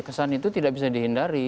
kesan itu tidak bisa dihindari